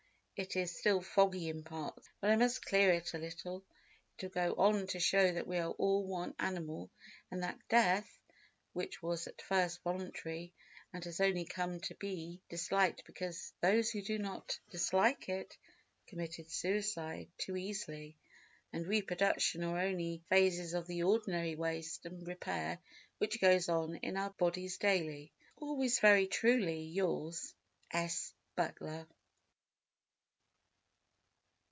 It is still foggy in parts, but I must clear it a little. It will go on to show that we are all one animal and that death (which was at first voluntary, and has only come to be disliked because those who did not dislike it committed suicide too easily) and reproduction are only phases of the ordinary waste and repair which goes on in our bodies daily. Always very truly yours, S. BUTLER.